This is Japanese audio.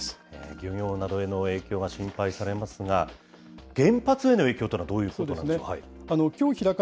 漁業などへの影響が心配されますが、原発への影響というのはどういうものなんでしょうか。